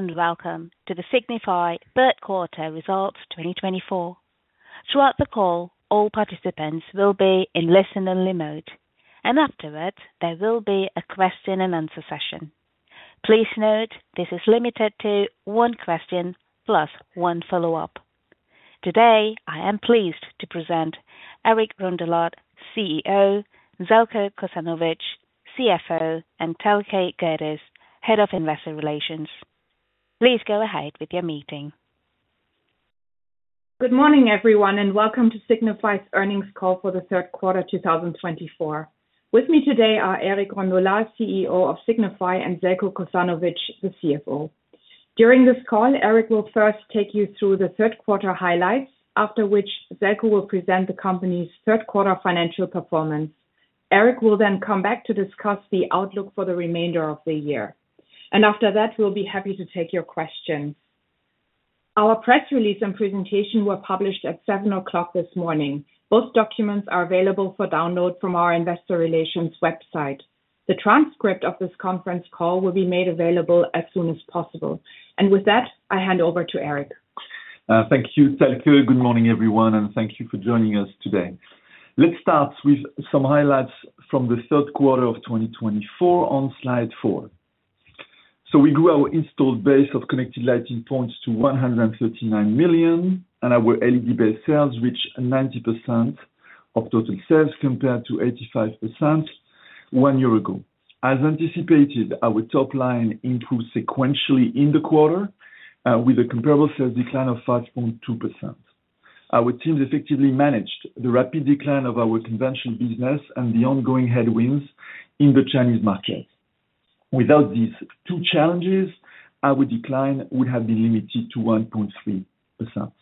Hello, and welcome to the Signify Q3 Results 2024. Throughout the call, all participants will be in listen-only mode, and afterwards there will be a question and answer session. Please note this is limited to one question plus one follow-up. Today, I am pleased to present Eric Rondolat, CEO, Željko Kosanović, CFO, and Thelke Gerdes, Head of Investor Relations. Please go ahead with your meeting. Good morning, everyone, and welcome to Signify's earnings call for the Q3 two thousand and twenty-four. With me today are Eric Rondolat, CEO of Signify, and Željko Kosanović, the CFO. During this call, Eric will first take you through the Q3 highlights, after which Željko will present the company's Q3 financial performance. Eric will then come back to discuss the outlook for the remainder of the year, and after that, we'll be happy to take your questions. Our press release and presentation were published at seven o'clock this morning. Both documents are available for download from our investor relations website. The transcript of this conference call will be made available as soon as possible. And with that, I hand over to Eric. Thank you, Thelke. Good morning, everyone, and thank you for joining us today. Let's start with some highlights from the Q3 of 2024 on slide four, so we grew our installed base of connected lighting points to 139 million, and our LED-based sales reached 90% of total sales, compared to 85% one year ago. As anticipated, our top line improved sequentially in the quarter, with a comparable sales decline of 5.2%. Our teams effectively managed the rapid decline of our conventional business and the ongoing headwinds in the Chinese market. Without these two challenges, our decline would have been limited to 1.3%.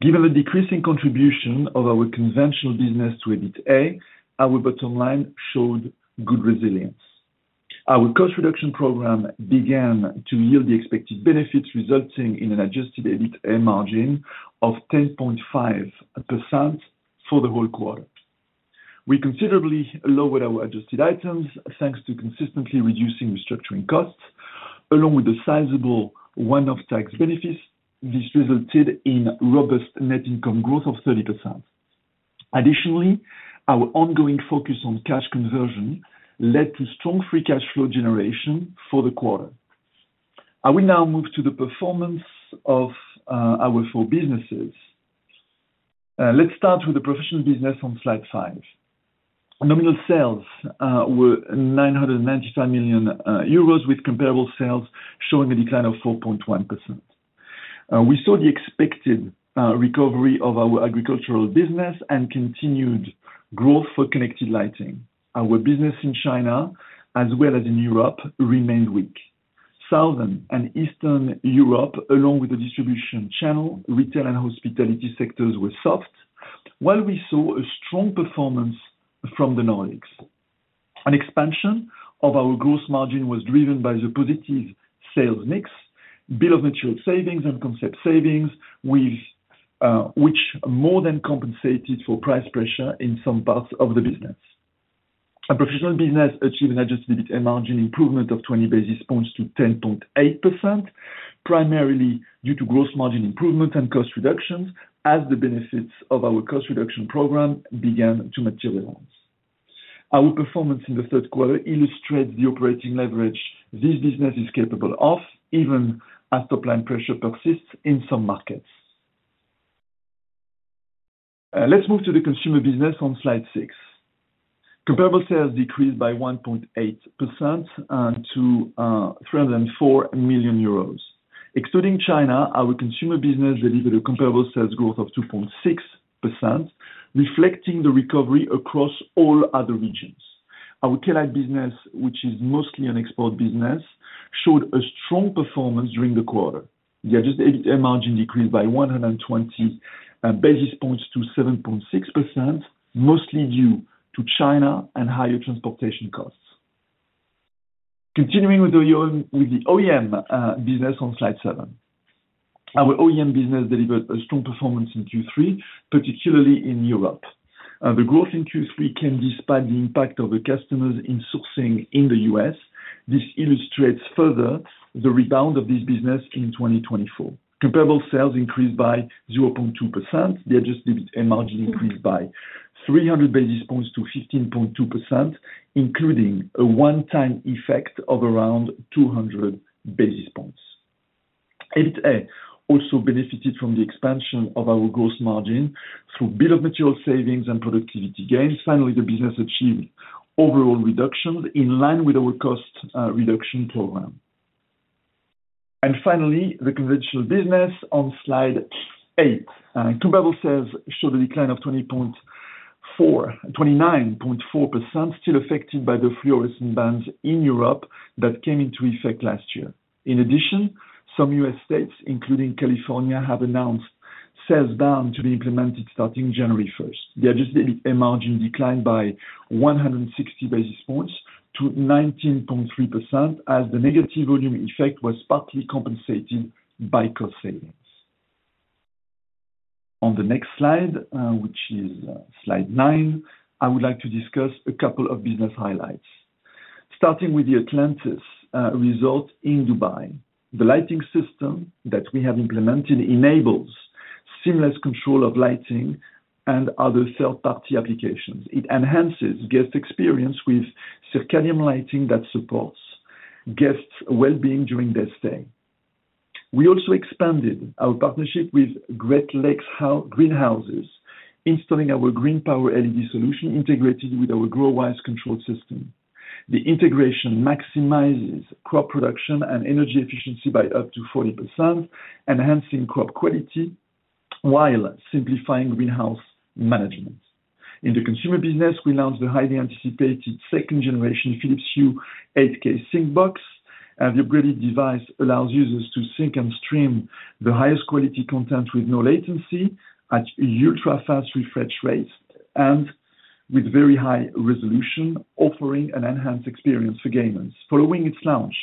Given the decreasing contribution of our conventional business to EBITA, our bottom line showed good resilience. Our cost reduction program began to yield the expected benefits, resulting in an Adjusted EBITA margin of 10.5% for the whole quarter. We considerably lowered our adjusted items, thanks to consistently reducing restructuring costs, along with the sizable one-off tax benefits. This resulted in robust net income growth of 30%. Additionally, our ongoing focus on cash conversion led to strong free cash flow generation for the quarter. I will now move to the performance of our four businesses. Let's start with the professional business on slide five. Nominal sales were 995 million euros, with comparable sales showing a decline of 4.1%. We saw the expected recovery of our agricultural business and continued growth for connected lighting. Our business in China, as well as in Europe, remained weak. Southern and Eastern Europe, along with the distribution channel, retail and hospitality sectors were soft, while we saw a strong performance from the Nordics. An expansion of our gross margin was driven by the positive sales mix, bill of material savings and concept savings, with which more than compensated for price pressure in some parts of the business. Our professional business achieved an Adjusted EBITA margin improvement of 20 basis points to 10.8%, primarily due to gross margin improvement and cost reductions as the benefits of our cost reduction program began to materialize. Our performance in the Q3 illustrates the operating leverage this business is capable of, even as top line pressure persists in some markets. Let's move to the consumer business on slide six. Comparable sales decreased by 1.8% to 304 million euros. Excluding China, our consumer business delivered a comparable sales growth of 2.6%, reflecting the recovery across all other regions. Our China business, which is mostly an export business, showed a strong performance during the quarter. The adjusted EBITA margin decreased by 120 basis points to 7.6%, mostly due to China and higher transportation costs. Continuing with the OEM business on slide seven. Our OEM business delivered a strong performance in Q3, particularly in Europe. The growth in Q3 came despite the impact of customer insourcing in the US. This illustrates further the rebound of this business in 2024. Comparable sales increased by 0.2%. The adjusted EBITA margin increased by 300 basis points to 15.2%, including a one-time effect of around 200 basis points. EBITA also benefited from the expansion of our gross margin through bill of material savings and productivity gains. Finally, the business achieved overall reductions in line with our cost reduction program. And finally, the conventional business on slide eight. Comparable sales showed a decline of 29.4%, still affected by the fluorescent bans in Europe that came into effect last year. In addition, some U.S. states, including California, have announced sales ban to be implemented starting January first. The adjusted EBITA margin declined by 160 basis points to 19.3%, as the negative volume effect was partly compensated by cost saving. On the next slide, which is slide nine, I would like to discuss a couple of business highlights. Starting with the Atlantis Resort in Dubai. The lighting system that we have implemented enables seamless control of lighting and other third-party applications. It enhances guest experience with circadian lighting that supports guests' well-being during their stay. We also expanded our partnership with Great Lakes Greenhouses, installing our GreenPower LED solution, integrated with our GrowWise control system. The integration maximizes crop production and energy efficiency by up to 40%, enhancing crop quality while simplifying greenhouse management. In the consumer business, we announced the highly anticipated second generation Philips Hue 8K Sync Box, and the upgraded device allows users to sync and stream the highest quality content with no latency, at ultra-fast refresh rates, and with very high resolution, offering an enhanced experience for gamers. Following its launch,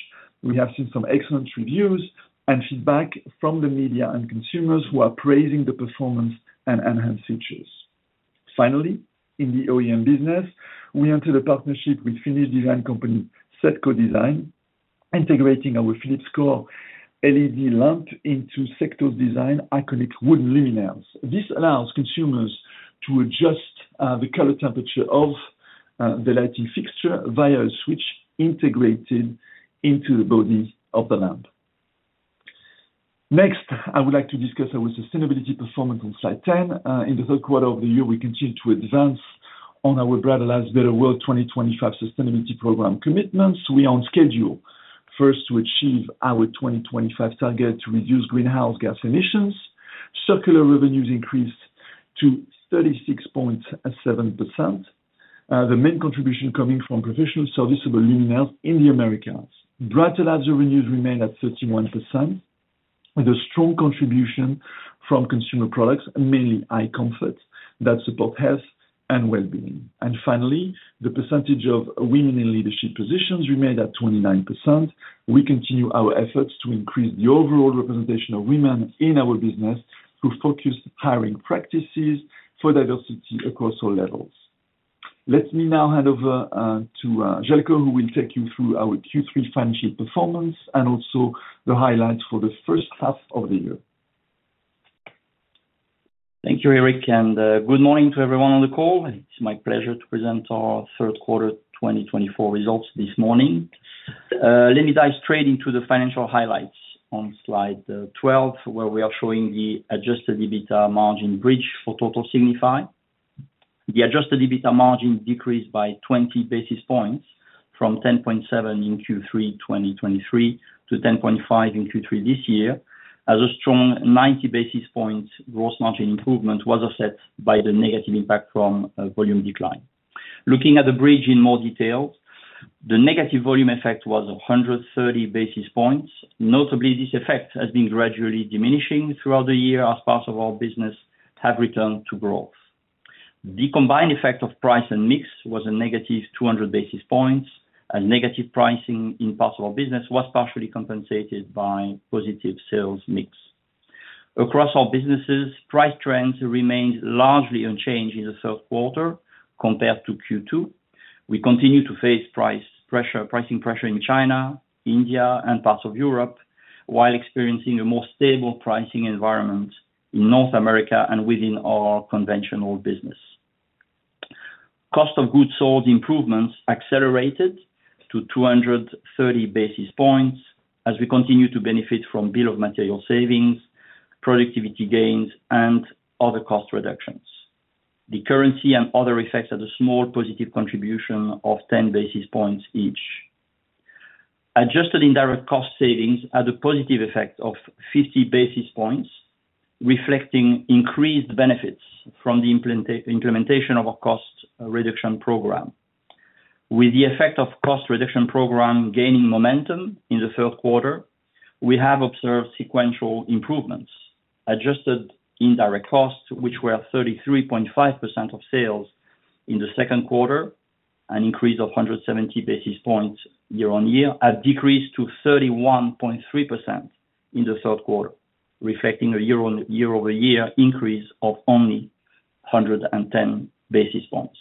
we have seen some excellent reviews and feedback from the media and consumers, who are praising the performance and enhanced features. Finally, in the OEM business, we entered a partnership with Finnish design company, Secto Design, integrating our Philips Core LED lamp into Secto Design iconic wood luminaires. This allows consumers to adjust the color temperature of the lighting fixture via a switch integrated into the body of the lamp. Next, I would like to discuss our sustainability performance on slide 10. In the Q3 of the year, we continued to advance on our Brighter Lives, Better World 2025 sustainability program commitments. We are on schedule first to achieve our 2025 target to reduce greenhouse gas emissions. Circular revenues increased to 36.7%. The main contribution coming from professional serviceable luminaires in the Americas. Brighter Lives revenues remain at 31%, with a strong contribution from consumer products, mainly EyeComfort, that support health and well-being. Finally, the percentage of women in leadership positions remained at 29%. We continue our efforts to increase the overall representation of women in our business through focused hiring practices for diversity across all levels. Let me now hand over to Željko, who will take you through our Q3 financial performance, and also the highlights for the first half of the year. Thank you, Eric, and good morning to everyone on the call. It's my pleasure to present our Q3 2024 results this morning. Let me dive straight into the financial highlights on slide 12, where we are showing the Adjusted EBITA margin bridge for total Signify. The Adjusted EBITA margin decreased by 20 basis points from 10.7% in Q3 2023 to 10.5% in Q3 this year, as a strong 90 basis points gross margin improvement was offset by the negative impact from a volume decline. Looking at the bridge in more detail, the negative volume effect was 130 basis points. Notably, this effect has been gradually diminishing throughout the year as parts of our business have returned to growth. The combined effect of price and mix was a negative 200 basis points. A negative pricing in parts of our business was partially compensated by positive sales mix. Across all businesses, price trends remained largely unchanged in the Q3 compared to Q2. We continue to face price pressure, pricing pressure in China, India, and parts of Europe, while experiencing a more stable pricing environment in North America and within our conventional business. Cost of goods sold improvements accelerated to 230 basis points as we continue to benefit from bill of material savings, productivity gains, and other cost reductions. The currency and other effects are the small positive contribution of 10 basis points each. Adjusted indirect cost savings had a positive effect of 50 basis points, reflecting increased benefits from the implementation of our cost reduction program. With the effect of cost reduction program gaining momentum in the Q3, we have observed sequential improvements. Adjusted indirect costs, which were 33.5% of sales in the Q2, an increase of 170 basis points year on year, have decreased to 31.3% in the Q3, reflecting a year-on-year increase of only 110 basis points.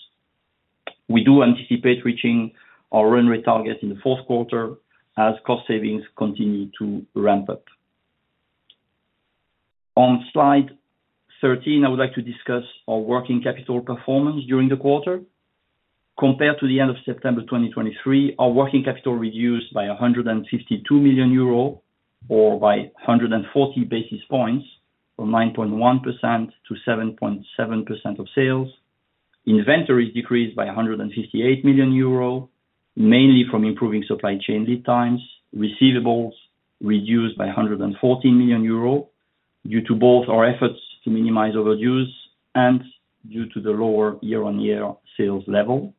We do anticipate reaching our run rate target in the Q4 as cost savings continue to ramp up. On slide 13, I would like to discuss our working capital performance during the quarter. Compared to the end of September 2023, our working capital reduced by 152 million euros or by 140 basis points, from 9.1% to 7.7% of sales. Inventories decreased by 158 million euro, mainly from improving supply chain lead times. Receivables reduced by 114 million euro, due to both our efforts to minimize overages and due to the lower year-on-year sales level.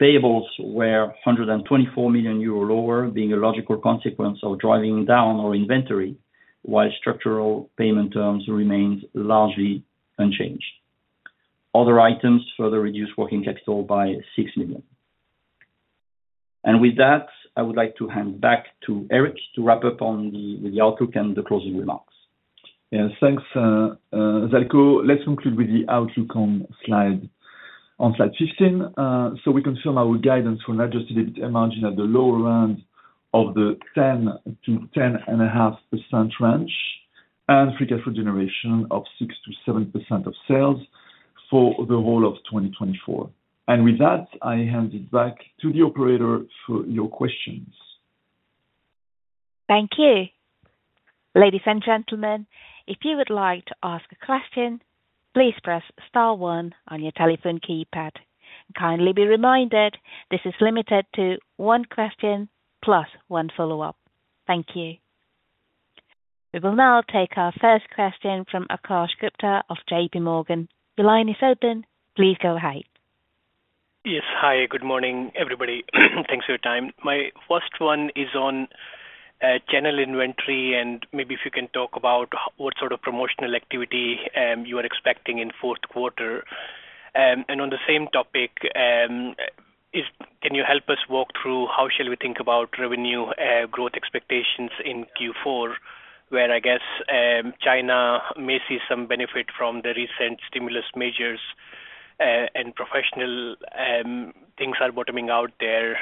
Payables were 124 million euro lower, being a logical consequence of driving down our inventory, while structural payment terms remains largely unchanged. Other items further reduced working capital by 6 million.... With that, I would like to hand back to Eric to wrap up on the outlook and the closing remarks. Yeah, thanks, Željko. Let's conclude with the outlook on slide 15. So we confirm our guidance for an adjusted EBIT margin at the lower end of the 10%-10.5% range, and free cash flow generation of 6%-7% of sales for the whole of 2024. And with that, I hand it back to the operator for your questions. Thank you. Ladies and gentlemen, if you would like to ask a question, please press star one on your telephone keypad. Kindly be reminded, this is limited to one question plus one follow-up. Thank you. We will now take our first question from Akash Gupta of J.P. Morgan. The line is open, please go ahead. Yes. Hi, good morning, everybody. Thanks for your time. My first one is on general inventory, and maybe if you can talk about what sort of promotional activity you are expecting in Q4. And on the same topic, can you help us walk through how shall we think about revenue growth expectations in Q4, where I guess China may see some benefit from the recent stimulus measures, and professional things are bottoming out there.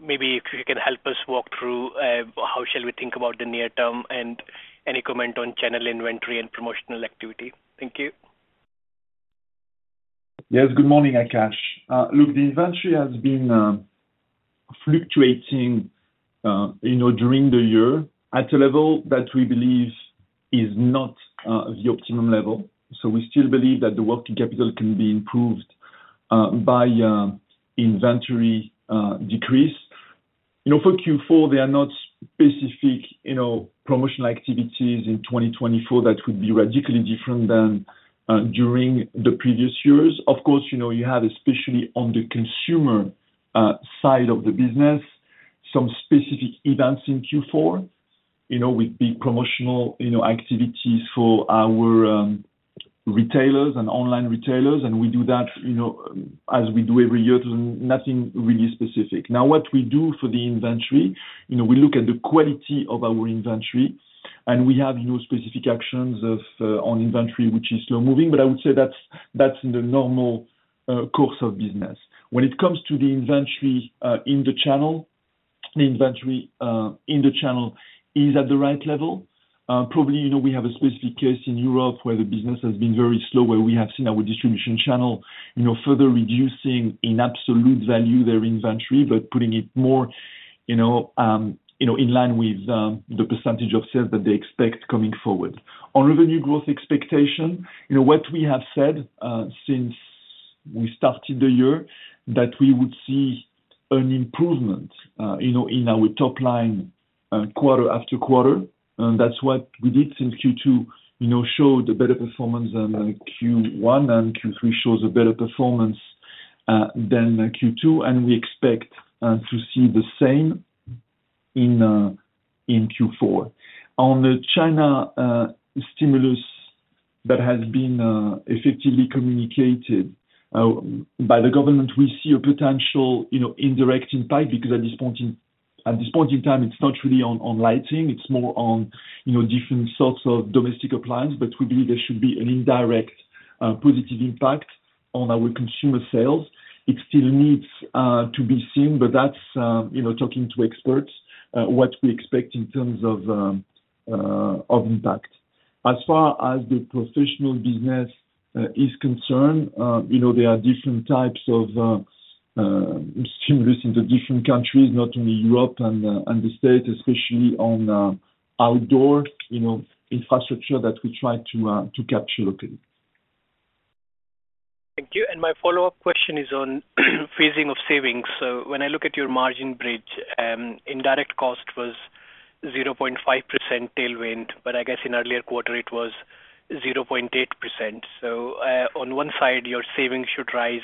Maybe if you can help us walk through how shall we think about the near term, and any comment on channel inventory and promotional activity? Thank you. Yes, good morning, Akash. Look, the inventory has been fluctuating, you know, during the year at a level that we believe is not the optimum level. So we still believe that the working capital can be improved by inventory decrease. You know, for Q4, there are not specific, you know, promotional activities in twenty twenty-four that would be radically different than during the previous years. Of course, you know, you have, especially on the consumer side of the business, some specific events in Q4, you know, with big promotional, you know, activities for our retailers and online retailers, and we do that, you know, as we do every year. So nothing really specific. Now, what we do for the inventory, you know, we look at the quality of our inventory, and we have no specific actions of, on inventory, which is slow-moving, but I would say that's in the normal course of business. When it comes to the inventory in the channel, the inventory in the channel is at the right level. Probably, you know, we have a specific case in Europe where the business has been very slow, where we have seen our distribution channel, you know, further reducing, in absolute value, their inventory, but putting it more, you know, in line with the percentage of sales that they expect coming forward. On revenue growth expectation, you know, what we have said since we started the year, that we would see an improvement, you know, in our top line, quarter after quarter, and that's what we did since Q2, you know, showed a better performance than Q1, and Q3 shows a better performance than Q2. And we expect to see the same in Q4. On the China stimulus that has been effectively communicated by the government, we see a potential, you know, indirect impact because at this point in time, it's not really on lighting, it's more on, you know, different sorts of domestic appliance. But we believe there should be an indirect positive impact on our consumer sales. It still needs to be seen, but that's, you know, talking to experts, what we expect in terms of impact. As far as the professional business is concerned, you know, there are different types of stimulus in the different countries, not only Europe and the States, especially on outdoor, you know, infrastructure that we try to capture locally. Thank you, and my follow-up question is on phasing of savings. So when I look at your margin bridge, indirect cost was 0.5% tailwind, but I guess in earlier quarter it was 0.8%. So, on one side, your savings should rise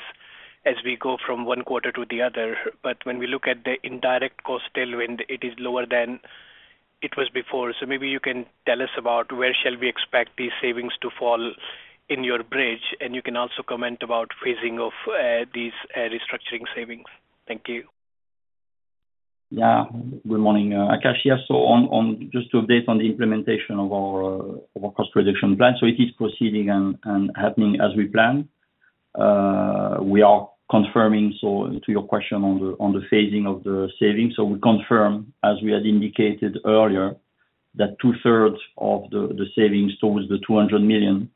as we go from one quarter to the other, but when we look at the indirect cost tailwind, it is lower than it was before. So maybe you can tell us about where shall we expect these savings to fall in your bridge, and you can also comment about phasing of these restructuring savings. Thank you. Yeah. Good morning, Akash. Yeah, so on the implementation of our cost reduction plan, so it is proceeding and happening as we plan. We are confirming, so to your question on the phasing of the savings, so we confirm, as we had indicated earlier, that two-thirds of the savings towards the 200 million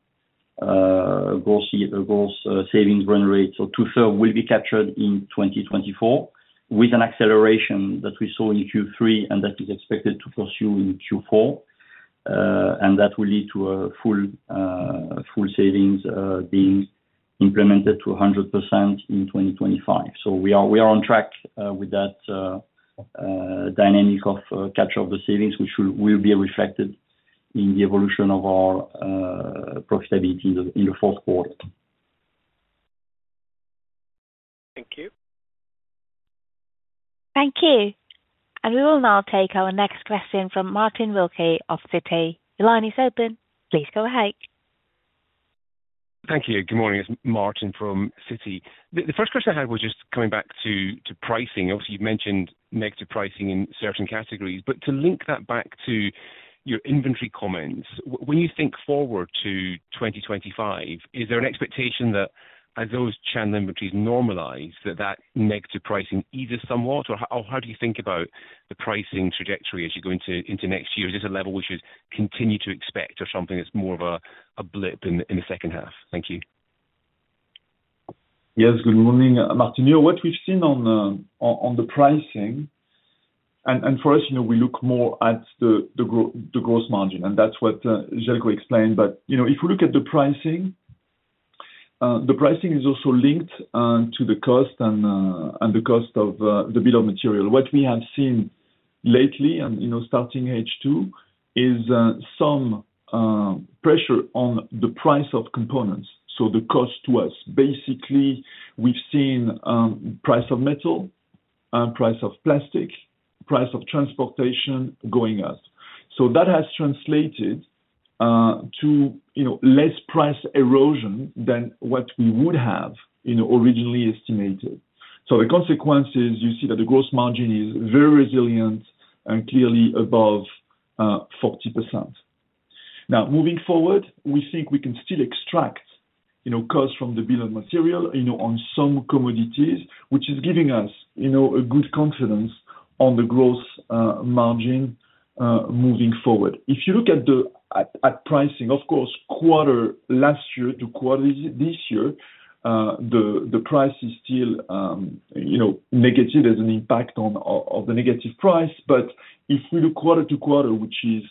gross savings run rate, so two-thirds will be captured in 2024, with an acceleration that we saw in Q3, and that is expected to pursue in Q4. And that will lead to a full savings being implemented to 100% in 2025. We are on track with that dynamic of capture of the savings, which will be reflected in the evolution of our profitability in the Q4. Thank you. Thank you. And we will now take our next question from Martin Wilkie of Citi. The line is open, please go ahead. Thank you. Good morning, it's Martin from Citi. The first question I had was just coming back to pricing. Obviously, you've mentioned negative pricing in certain categories, but to link that back to your inventory comments, when you think forward to 2025, is there an expectation that as those channel inventories normalize, that negative pricing eases somewhat? Or how do you think about the pricing trajectory as you go into next year? Is this a level we should continue to expect or something that's more of a blip in the second half? Thank you. Yes, good morning, Martin. You know, what we've seen on the pricing. First, you know, we look more at the gross margin, and that's what Željko explained. But, you know, if you look at the pricing, the pricing is also linked to the cost and the cost of the bill of material. What we have seen lately and, you know, starting H2, is some pressure on the price of components, so the cost to us. Basically, we've seen price of metal, price of plastic, price of transportation going up. So that has translated to, you know, less price erosion than what we would have, you know, originally estimated. So the consequence is, you see that the gross margin is very resilient and clearly above 40%. Now, moving forward, we think we can still extract, you know, costs from the bill of material, you know, on some commodities, which is giving us, you know, a good confidence on the growth margin, moving forward. If you look at the pricing, of course, quarter last year to quarter this year, the price is still, you know, negative. There's an impact of the negative price. But if we look quarter to quarter, which is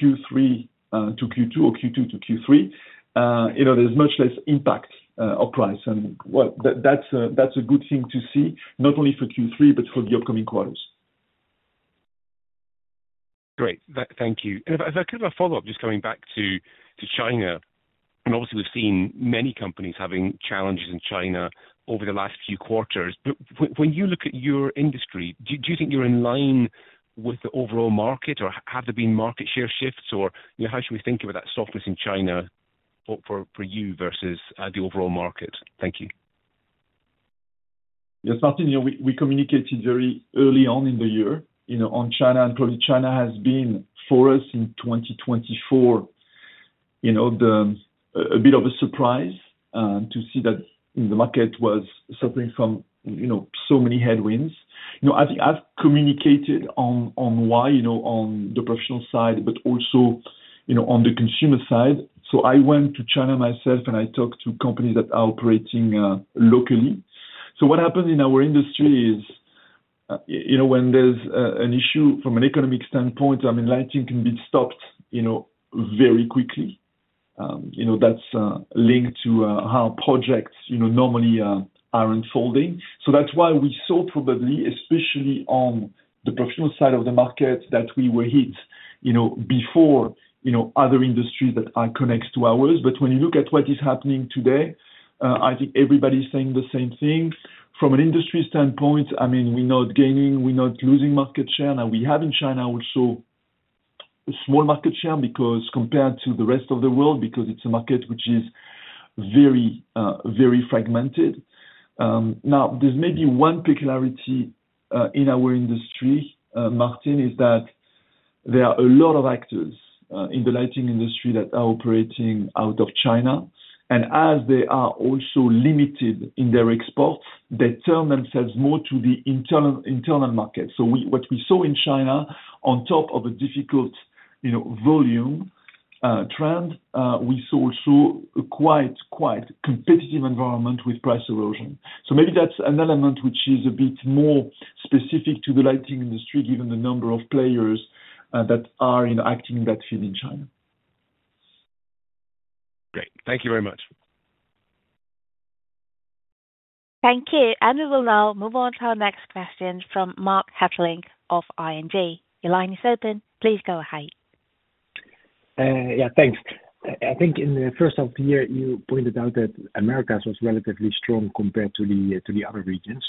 Q3 to Q2 or Q2 to Q3, you know, there's much less impact on price. That's a good thing to see, not only for Q3, but for the upcoming quarters. Great. Thank you. And as kind of a follow-up, just coming back to China, and obviously we've seen many companies having challenges in China over the last few quarters, but when you look at your industry, do you think you're in line with the overall market, or have there been market share shifts, or, you know, how should we think about that softness in China, for you versus the overall market? Thank you. Yeah, Martin, you know, we communicated very early on in the year, you know, on China, and probably China has been, for us, in twenty twenty-four, you know, a bit of a surprise to see that the market was suffering from, you know, so many headwinds. You know, I've communicated on why, you know, on the professional side, but also, you know, on the consumer side. So I went to China myself, and I talked to companies that are operating locally. So what happened in our industry is you know, when there's an issue from an economic standpoint, I mean, lighting can be stopped, you know, very quickly. You know, that's linked to how projects, you know, normally are unfolding. So that's why we saw probably, especially on the professional side of the market, that we were hit, you know, before, you know, other industries that are connected to ours. But when you look at what is happening today, I think everybody's saying the same thing. From an industry standpoint, I mean, we're not gaining, we're not losing market share. Now, we have in China also a small market share because compared to the rest of the world, because it's a market which is very, very fragmented. Now, there's maybe one peculiarity in our industry, Martin, is that there are a lot of actors in the lighting industry that are operating out of China. And as they are also limited in their export, they turn themselves more to the internal market. So what we saw in China, on top of a difficult, you know, volume trend, we saw also a quite competitive environment with price erosion. So maybe that's an element which is a bit more specific to the lighting industry, given the number of players that are, you know, acting in that field in China. Great. Thank you very much. Thank you, and we will now move on to our next question from Marc Hesselink of ING. Your line is open. Please go ahead. Yeah, thanks. I think in the first half of the year, you pointed out that Americas was relatively strong compared to the other regions.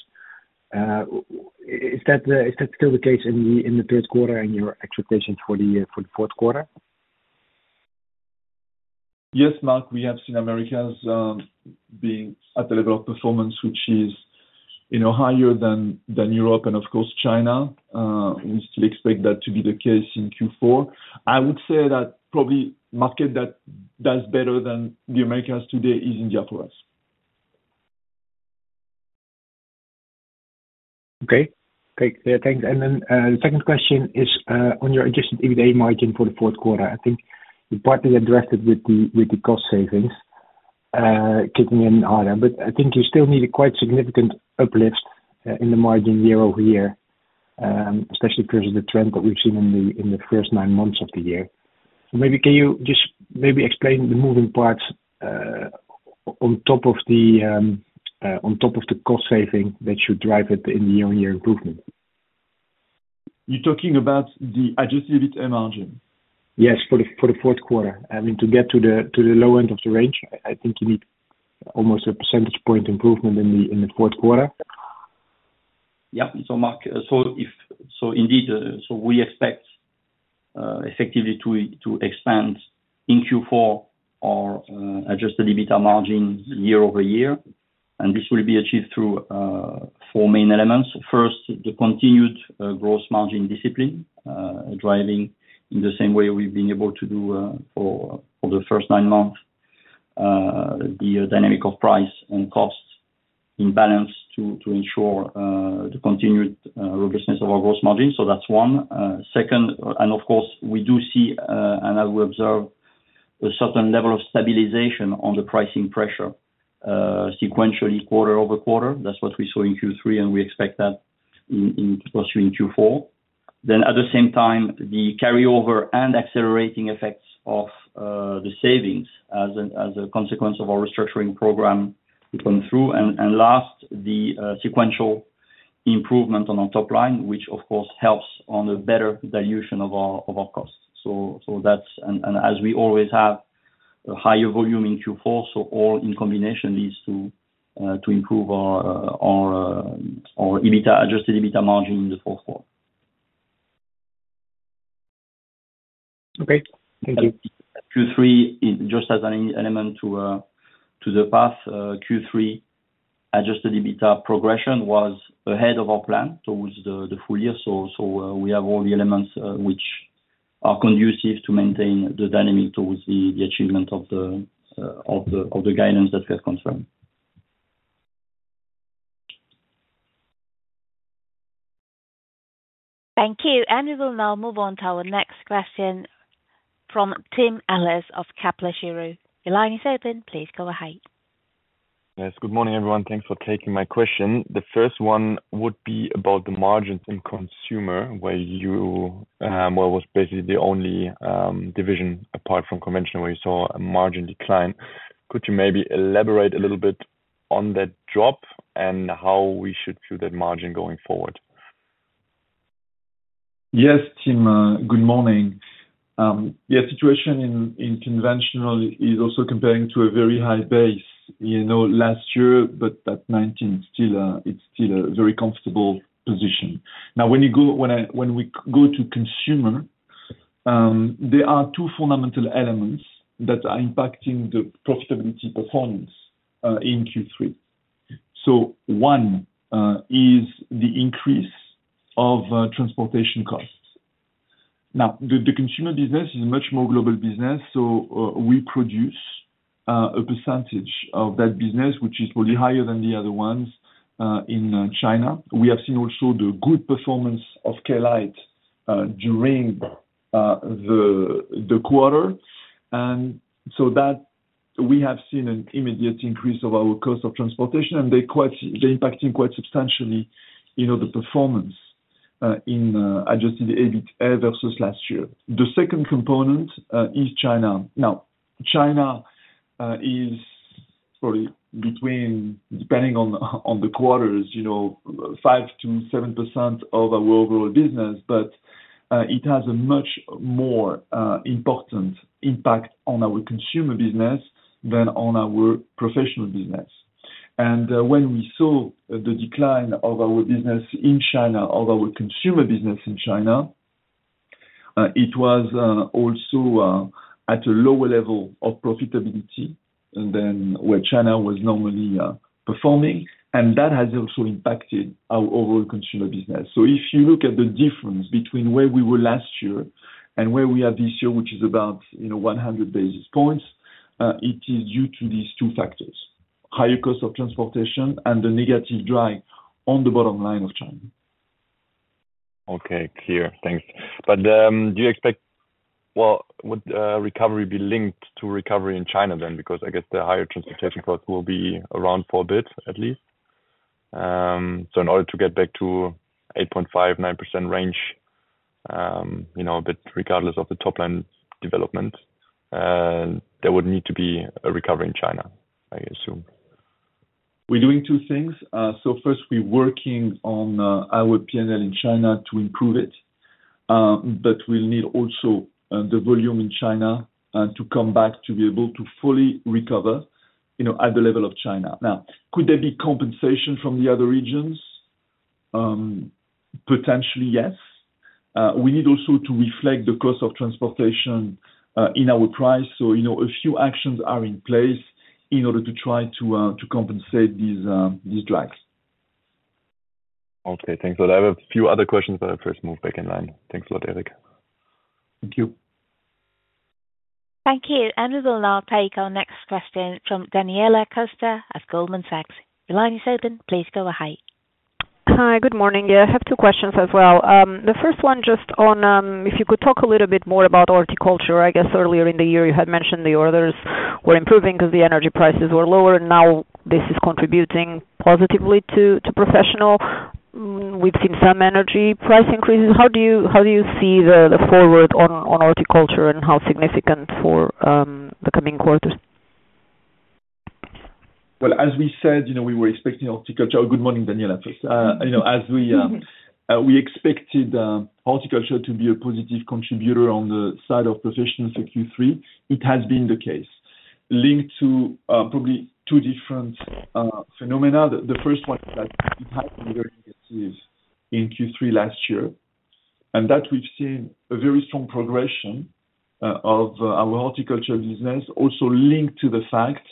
Is that still the case in the Q3, in your expectations for the Q4? Yes, Marc, we have seen Americas being at the level of performance, which is, you know, higher than Europe, and of course, China. We still expect that to be the case in Q4. I would say that probably market that does better than the Americas today is India for us. Okay. Okay, yeah, thanks. And then, the second question is, on your Adjusted EBITA margin for the Q4. I think you partly addressed it with the, with the cost savings, kicking in higher, but I think you still need a quite significant uplift, in the margin year over year, especially because of the trend that we've seen in the, in the first nine months of the year. So maybe can you just maybe explain the moving parts, on top of the, on top of the cost saving that should drive it in the year-on-year improvement? You're talking about the adjusted EBITA margin? Yes, for the Q4. I mean, to get to the low end of the range, I think you need almost a percentage point improvement in the Q4.... Yep, so Mark, indeed, we expect effectively to expand in Q4 our Adjusted EBITA margin year over year, and this will be achieved through four main elements. First, the continued gross margin discipline, driving in the same way we've been able to do for the first nine months the dynamic of price and cost in balance to ensure the continued robustness of our gross margin. So that's one. Second, and of course, we do see and as we observe a certain level of stabilization on the pricing pressure sequentially, quarter over quarter. That's what we saw in Q3, and we expect that in especially in Q4. Then at the same time, the carryover and accelerating effects of the savings as a consequence of our restructuring program to come through. And last, the sequential improvement on our top line, which, of course, helps on the better dilution of our costs. So that's... And as we always have a higher volume in Q4, so all in combination is to improve our EBITA, adjusted EBITA margin in the Q4. Okay, thank you. Q3 is just as an element to the path. Q3 Adjusted EBITA progression was ahead of our plan towards the full year, so we have all the elements which are conducive to maintain the dynamic towards the achievement of the guidance that we have confirmed. Thank you, and we will now move on to our next question from Tim Ehlers of Kepler Cheuvreux. Your line is open. Please go ahead. Yes, good morning, everyone. Thanks for taking my question. The first one would be about the margins in consumer, where you, well, was basically the only division, apart from conventional, where you saw a margin decline. Could you maybe elaborate a little bit on that drop, and how we should view that margin going forward? Yes, Tim, good morning. Yeah, situation in conventional is also comparing to a very high base, you know, last year, but at 19%, still, it's still a very comfortable position. Now, when we go to consumer, there are two fundamental elements that are impacting the profitability performance in Q3. So one is the increase of transportation costs. Now, the consumer business is a much more global business, so we produce a percentage of that business, which is probably higher than the other ones in China. We have seen also the good performance of Klite during the quarter. We have seen an immediate increase of our cost of transportation, and they're impacting quite substantially, you know, the performance in adjusted EBIT versus last year. The second component is China. Now, China is probably between, depending on the quarters, you know, 5%-7% of our overall business. But it has a much more important impact on our consumer business than on our professional business. When we saw the decline of our business in China, of our consumer business in China, it was also at a lower level of profitability than where China was normally performing, and that has also impacted our overall consumer business. If you look at the difference between where we were last year and where we are this year, which is about, you know, one hundred basis points, it is due to these two factors: higher cost of transportation and the negative drag on the bottom line of China. Okay, clear. Thanks. But, well, would recovery be linked to recovery in China then? Because I guess the higher transportation costs will be around for a bit, at least. So in order to get back to 8.5%-9% range, you know, but regardless of the top line development, there would need to be a recovery in China, I assume. We're doing two things. So first, we're working on our PNL in China to improve it, but we'll need also the volume in China to come back to be able to fully recover, you know, at the level of China. Now, could there be compensation from the other regions? Potentially, yes. We need also to reflect the cost of transportation in our price. So, you know, a few actions are in place in order to try to compensate these drags. Okay, thanks a lot. I have a few other questions, but I first move back in line. Thanks a lot, Eric. Thank you. Thank you. And we will now take our next question from Daniela Costa at Goldman Sachs. Your line is open. Please go ahead. Hi, good morning. Yeah, I have two questions as well. The first one, just on, if you could talk a little bit more about horticulture. I guess earlier in the year, you had mentioned the orders were improving because the energy prices were lower. Now, this is contributing positively to professional. We've seen some energy price increases. How do you see the forward on horticulture and how significant for the coming quarters? As we said, you know, we were expecting horticulture. Oh, good morning, Daniela, first. You know, as we expected, horticulture to be a positive contributor on the side of professionals for Q3, it has been the case, linked to probably two different phenomena. The first one is that it happened late in Q3 last year, and that we've seen a very strong progression of our horticulture business also linked to the fact that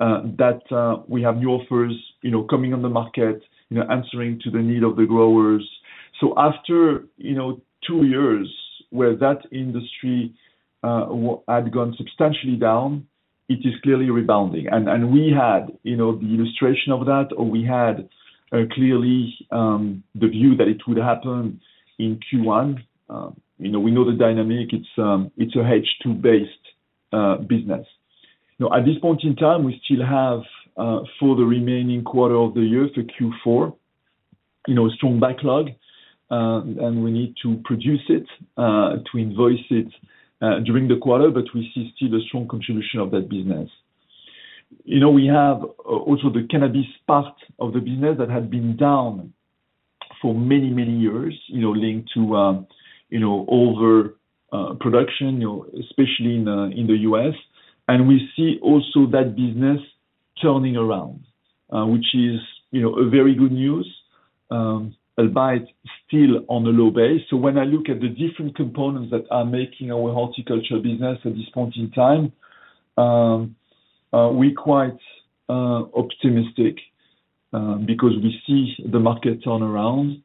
we have new offers, you know, coming on the market, you know, answering to the need of the growers. So after, you know, two years where that industry had gone substantially down, it is clearly rebounding. We had, you know, the illustration of that, or we had clearly the view that it would happen in Q1. You know, we know the dynamic. It's a H2-based business. Now, at this point in time, we still have for the remaining quarter of the year, the Q4, you know, strong backlog. We need to produce it to invoice it during the quarter, but we see still a strong contribution of that business. You know, we have also the cannabis part of the business that has been down for many, many years, you know, linked to, you know, over production, you know, especially in the US. We see also that business turning around, which is, you know, a very good news, albeit still on a low base. So when I look at the different components that are making our horticulture business at this point in time, we're quite optimistic because we see the market turn around,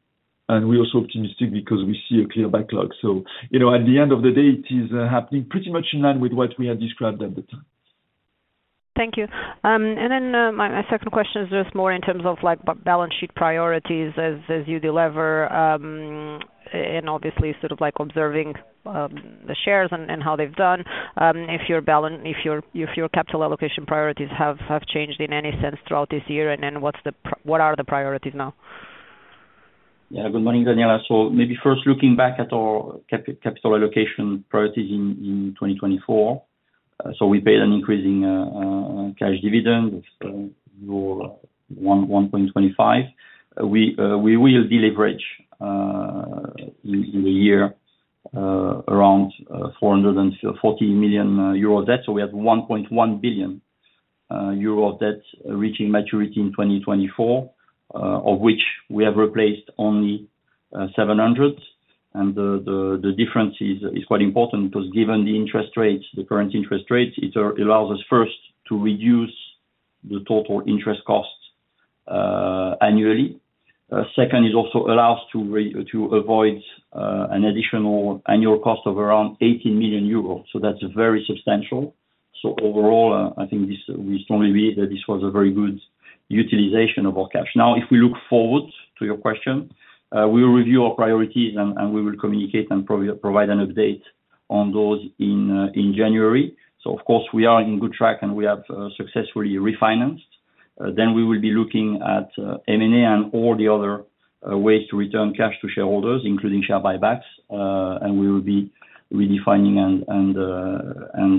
and we're also optimistic because we see a clear backlog. So, you know, at the end of the day, it is happening pretty much in line with what we had described at the time. Thank you. And then my second question is just more in terms of, like, balance sheet priorities as you deliver, and obviously sort of like observing the shares and how they've done. If your capital allocation priorities have changed in any sense throughout this year, and then what are the priorities now? Yeah. Good morning, Daniela. So maybe first looking back at our capital allocation priorities in 2024. So we paid an increasing cash dividend of 1.25. We will deleverage in the year around 440 million euro debt. So we have 1.1 billion euro debt reaching maturity in 2024, of which we have replaced only 700. And the difference is quite important, because given the interest rates, the current interest rates, it allows us first, to reduce the total interest costs annually. Second, it also allow us to avoid an additional annual cost of around 80 million euro, so that's very substantial. So overall, I think this, we strongly believe that this was a very good utilization of our cash. Now, if we look forward to your question, we will review our priorities and we will communicate and provide an update on those in January. So of course, we are in good track, and we have successfully refinanced. Then we will be looking at M&A and all the other ways to return cash to shareholders, including share buybacks. And we will be redefining and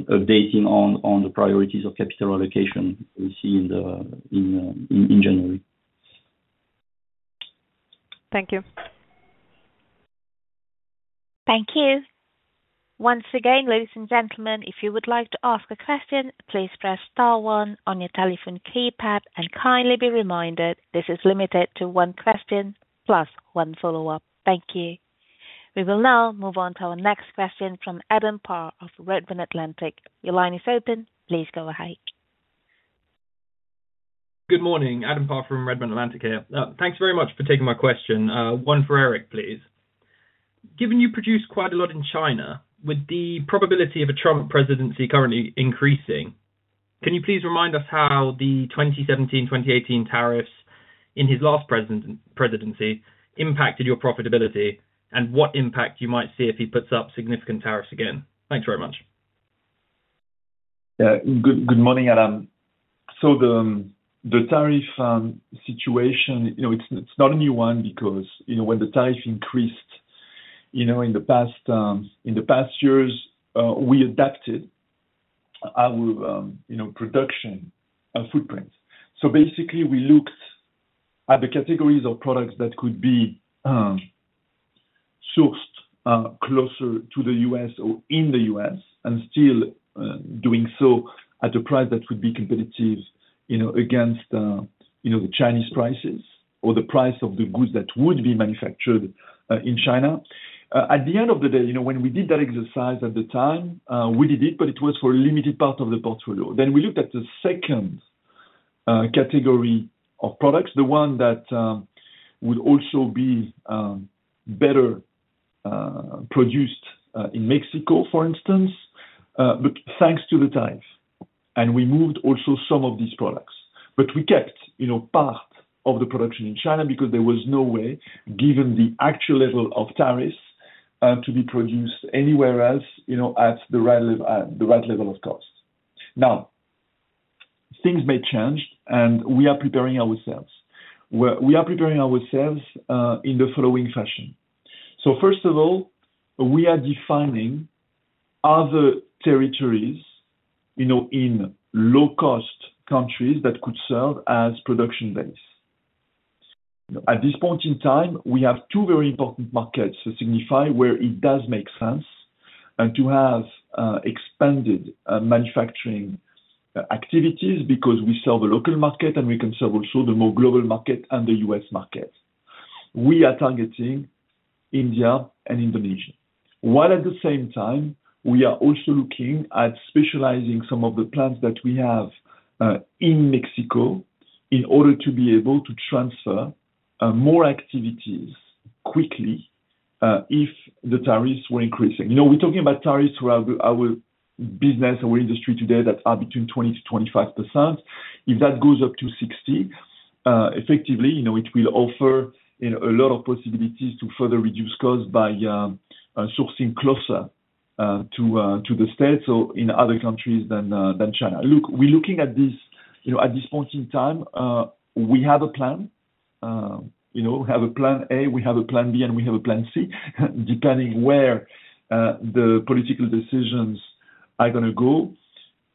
updating on the priorities of capital allocation we see in January. Thank you. Thank you. Once again, ladies and gentlemen, if you would like to ask a question, please press star one on your telephone keypad, and kindly be reminded this is limited to one question plus one follow-up. Thank you. We will now move on to our next question from Adam Parr of Redburn Atlantic. Your line is open. Please go ahead. Good morning, Adam Parr from Redburn Atlantic here. Thanks very much for taking my question. One for Eric, please. Given you produce quite a lot in China, with the probability of a Trump presidency currently increasing, can you please remind us how the twenty seventeen, twenty eighteen tariffs in his last presidency impacted your profitability, and what impact you might see if he puts up significant tariffs again? Thanks very much. Yeah. Good, good morning, Adam. So the, the tariff situation, you know, it's, it's not a new one, because, you know, when the tariffs increased, you know, in the past, in the past years, we adapted our, you know, production footprint. So basically, we looked at the categories of products that could be sourced closer to the U.S. or in the U.S., and still doing so at a price that would be competitive, you know, against the Chinese prices or the price of the goods that would be manufactured in China. At the end of the day, you know, when we did that exercise at the time, we did it, but it was for a limited part of the portfolio. Then we looked at the second category of products, the one that would also be better produced in Mexico, for instance, but thanks to the tariffs, and we moved also some of these products. But we kept, you know, part of the production in China because there was no way, given the actual level of tariffs, to be produced anywhere else, you know, at the right level of cost. Now, things may change, and we are preparing ourselves. We are preparing ourselves in the following fashion. So first of all, we are defining other territories, you know, in low-cost countries that could serve as production base. At this point in time, we have two very important markets to Signify where it does make sense to have expanded manufacturing activities, because we serve the local market, and we can serve also the more global market and the U.S. market. We are targeting India and Indonesia, while at the same time, we are also looking at specializing some of the plants that we have in Mexico, in order to be able to transfer more activities quickly if the tariffs were increasing. You know, we're talking about tariffs for our business, our industry today, that are between 20% to 25%. If that goes up to 60, effectively, you know, it will offer, you know, a lot of possibilities to further reduce costs by sourcing closer to the States or in other countries than China. Look, we're looking at this, you know, at this point in time, we have a plan, you know, we have a plan A, we have a plan B, and we have a plan C, depending where the political decisions are gonna go,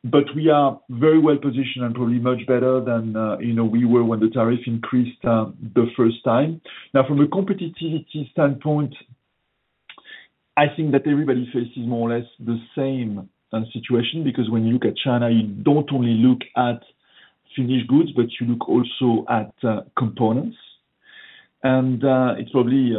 but we are very well positioned, and probably much better than, you know, we were when the tariff increased the first time. Now, from a competitive standpoint, I think that everybody faces more or less the same situation, because when you look at China, you don't only look at finished goods, but you look also at components, and it's probably,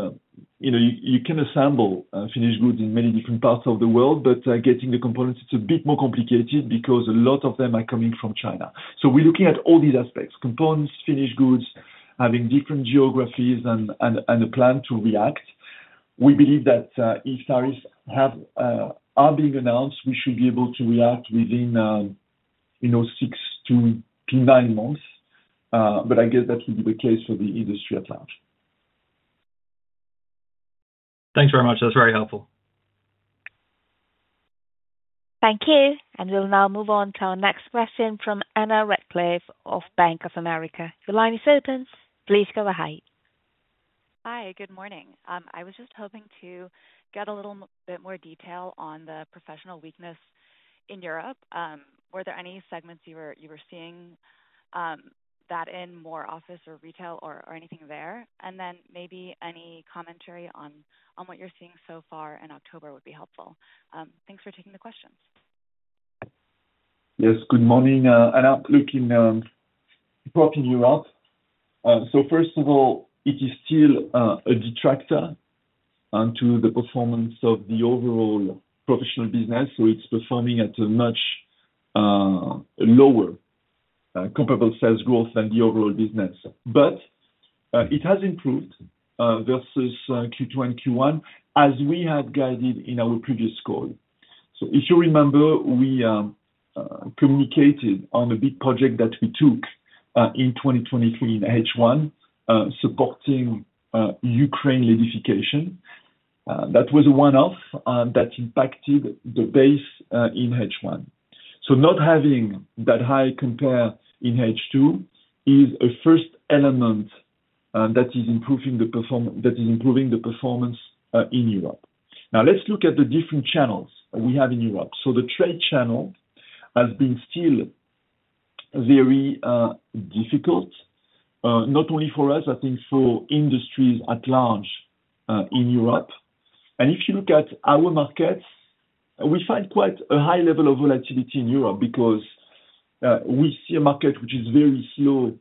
you know, you can assemble finished goods in many different parts of the world, but getting the components, it's a bit more complicated because a lot of them are coming from China. So we're looking at all these aspects, components, finished goods, having different geographies and a plan to react. We believe that if tariffs are being announced, we should be able to react within, you know, six to nine months. But I guess that will be the case for the industry at large. Thanks very much. That's very helpful. Thank you, and we'll now move on to our next question from Anna Ratcliffe of Bank of America. Your line is open, please go ahead. Hi, good morning. I was just hoping to get a little bit more detail on the professional weakness in Europe. Were there any segments you were seeing that in more office or retail or anything there? And then maybe any commentary on what you're seeing so far in October would be helpful. Thanks for taking the questions. Yes, good morning. Anna, looking, talking Europe. So first of all, it is still a detractor onto the performance of the overall professional business, so it's performing at a much lower comparable sales growth than the overall business. But it has improved versus Q2 and Q1, as we had guided in our previous call. So if you remember, we communicated on a big project that we took in 2023 in H1, supporting Ukraine LEDification. That was a one-off that impacted the base in H1. So not having that high compare in H2 is a first element that is improving the performance in Europe. Now let's look at the different channels we have in Europe. So the trade channel has been still very difficult, not only for us, I think for industries at large in Europe. And if you look at our markets, we find quite a high level of volatility in Europe, because we see a market which is very slow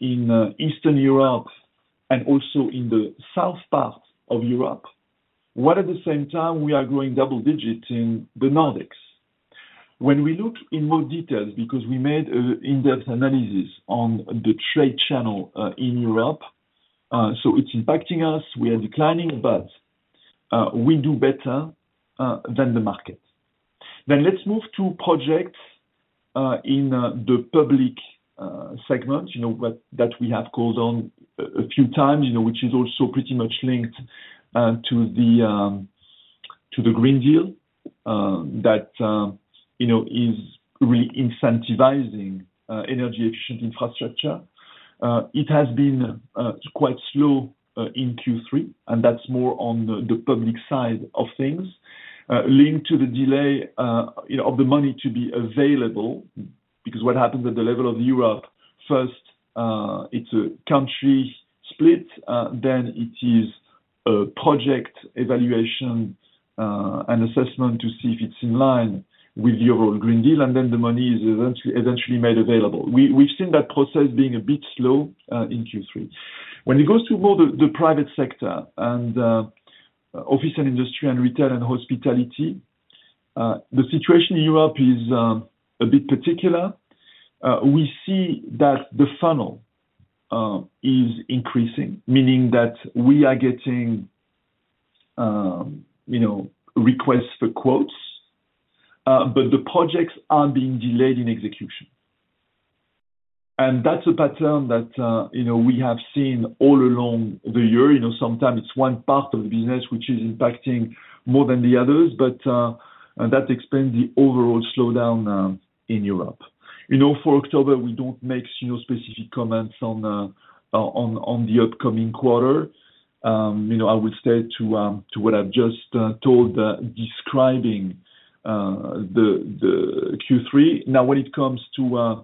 in Eastern Europe and also in the south part of Europe, while at the same time we are growing double digits in the Nordics. When we look in more details, because we made a in-depth analysis on the trade channel in Europe, so it's impacting us, we are declining, but we do better than the market. Then let's move to projects in the public segment, you know, that we have called on a few times, you know, which is also pretty much linked to the Green Deal. That you know is really incentivizing energy efficient infrastructure. It has been quite slow in Q3, and that's more on the public side of things linked to the delay you know of the money to be available. Because what happens at the level of Europe, first, it's a country split, then it is a project evaluation and assessment to see if it's in line with the overall Green Deal, and then the money is eventually made available. We've seen that process being a bit slow in Q3. When it goes to more the private sector and office and industry and retail and hospitality, the situation in Europe is a bit particular. We see that the funnel is increasing, meaning that we are getting you know requests for quotes, but the projects are being delayed in execution. And that's a pattern that you know we have seen all along the year, you know, sometimes it's one part of the business which is impacting more than the others, but and that explains the overall slowdown in Europe. You know, for October, we don't make you know specific comments on on the upcoming quarter. You know, I would say to what I've just told the Q3. Now, when it comes to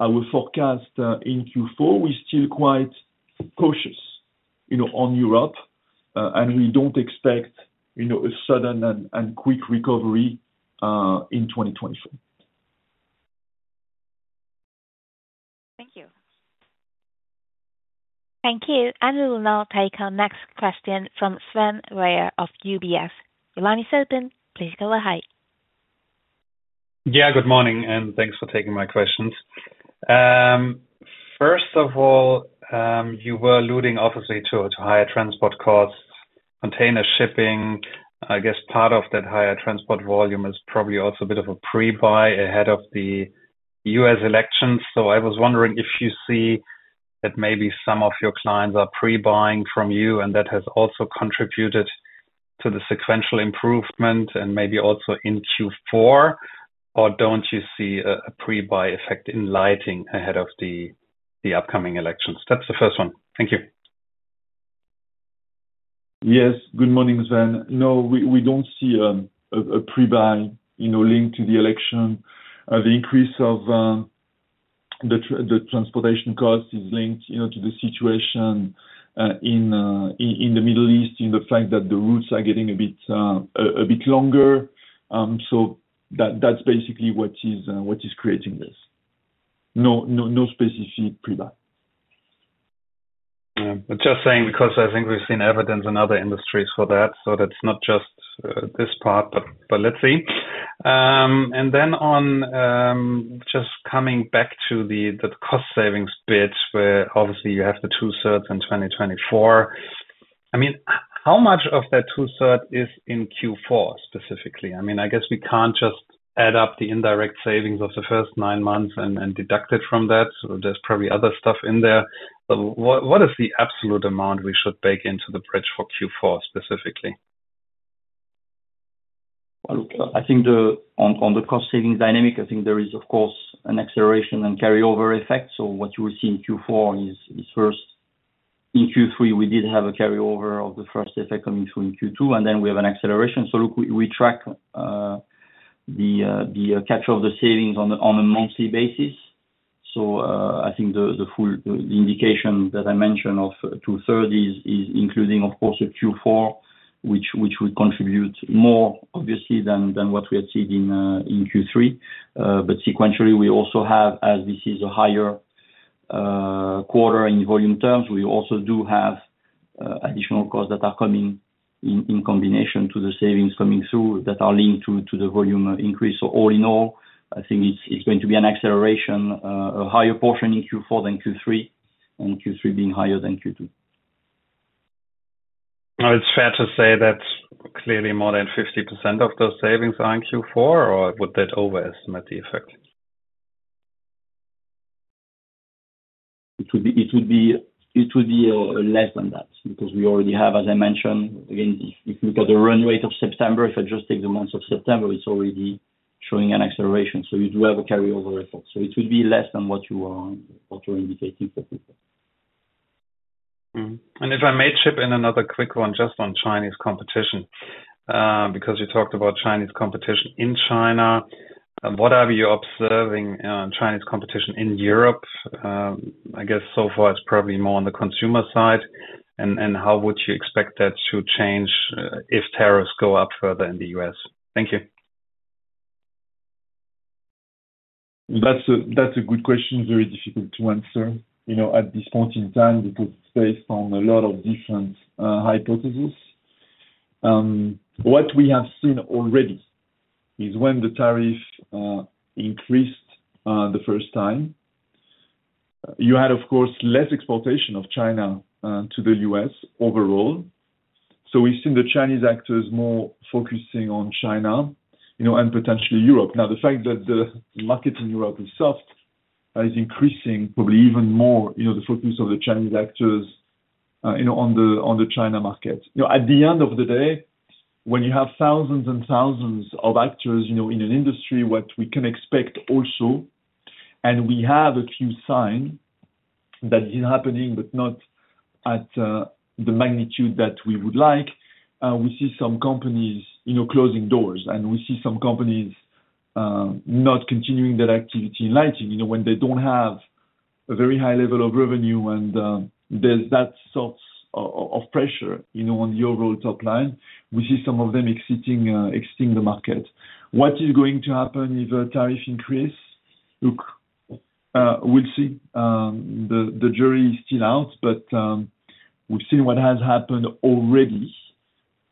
our forecast in Q4, we're still quite cautious, you know, on Europe, and we don't expect, you know, a sudden and quick recovery in 2024. Thank you. Thank you. And we will now take our next question from Sven Weier of UBS. Your line is open. Please go ahead. Yeah, good morning, and thanks for taking my questions. First of all, you were alluding obviously to higher transport costs, container shipping. I guess part of that higher transport volume is probably also a bit of a pre-buy ahead of the U.S. election. So I was wondering if you see that maybe some of your clients are pre-buying from you, and that has also contributed to the sequential improvement, and maybe also in Q4. Or don't you see a pre-buy effect in lighting ahead of the upcoming elections? That's the first one. Thank you. Yes, good morning, Sven. No, we don't see a pre-buy, you know, linked to the election. The increase of the transportation cost is linked, you know, to the situation in the Middle East, in the fact that the routes are getting a bit longer. So that's basically what is creating this. No, no, no specific pre-buy. Just saying, because I think we've seen evidence in other industries for that, so that's not just this part, but let's see. And then on just coming back to the cost savings bit, where obviously you have the two-thirds in twenty twenty-four. I mean, how much of that two-thirds is in Q4 specifically? I mean, I guess we can't just add up the indirect savings of the first nine months and deduct it from that, so there's probably other stuff in there. But what is the absolute amount we should bake into the bridge for Q4 specifically? Look, I think on the cost savings dynamic, I think there is, of course, an acceleration and carryover effect. So what you will see in Q4 is first, in Q3, we did have a carryover of the first effect coming through in Q2, and then we have an acceleration. So look, we track the capture of the savings on a monthly basis. So I think the full indication that I mentioned of two-thirds is including, of course, the Q4, which would contribute more obviously than what we had seen in Q3. But sequentially, we also have, as this is a higher quarter in volume terms, we also do have additional costs that are coming in, in combination to the savings coming through, that are linked to the volume increase. So all in all, I think it's going to be an acceleration, a higher portion in Q4 than Q3, and Q3 being higher than Q2. Now, it's fair to say that clearly more than 50% of those savings are in Q4, or would that overestimate the effect? It would be less than that, because we already have, as I mentioned, again, if you look at the run rate of September, if I just take the month of September, it's already showing an acceleration, so you do have a carryover effect. So it will be less than what you're indicating for Q4. Mm-hmm. And if I may chip in another quick one, just on Chinese competition, because you talked about Chinese competition in China. What are you observing, Chinese competition in Europe? I guess so far it's probably more on the consumer side. And how would you expect that to change, if tariffs go up further in the U.S.? Thank you. That's a good question. Very difficult to answer, you know, at this point in time, because it's based on a lot of different hypotheses. What we have seen already is when the tariff increased the first time, you had, of course, less exportation of China to the U.S. overall. So we've seen the Chinese actors more focusing on China, you know, and potentially Europe. Now, the fact that the market in Europe is soft is increasing probably even more, you know, the focus of the Chinese actors, you know, on the China market. You know, at the end of the day, when you have thousands and thousands of actors, you know, in an industry, what we can expect also, and we have a few signs that are happening, but not at the magnitude that we would like. We see some companies, you know, closing doors. And we see some companies not continuing their activity in lighting, you know, when they don't have a very high level of revenue, and there's that sort of pressure, you know, on your overall top line. We see some of them exiting the market. What is going to happen if the tariff increase? Look, we'll see. The jury is still out, but we've seen what has happened already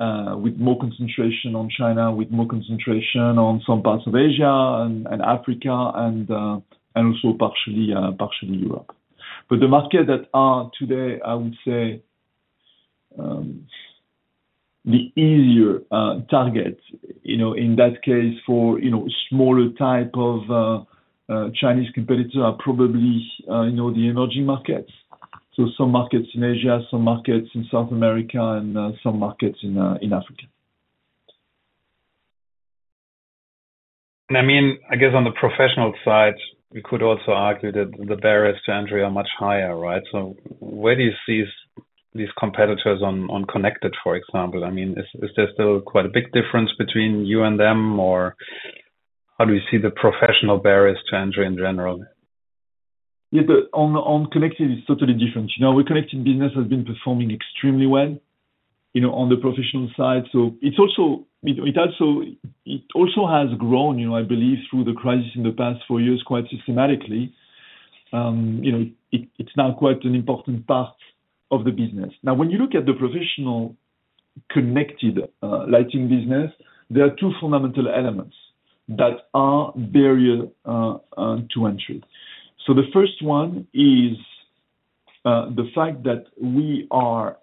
with more concentration on China, with more concentration on some parts of Asia and Africa, and also partially Europe. But the markets that are today, I would say, the easier target, you know, in that case for, you know, smaller type of Chinese competitors are probably, you know, the emerging markets. So some markets in Asia, some markets in South America, and some markets in Africa.... And I mean, I guess on the professional side, we could also argue that the barriers to entry are much higher, right? So where do you see these competitors on connected, for example? I mean, is there still quite a big difference between you and them, or how do you see the professional barriers to entry in general? Yeah, on connected, it's totally different. You know, our connected business has been performing extremely well, you know, on the professional side. So it's also has grown, you know, I believe through the crisis in the past four years, quite systematically. You know, it's now quite an important part of the business. Now, when you look at the professional connected lighting business, there are two fundamental elements that are barrier to entry. So the first one is the fact that we are